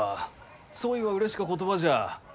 そいはうれしか言葉じゃ。